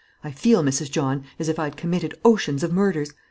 I feel, Mrs. John, as if I'd committed oceans of murders.